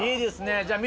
じゃあみ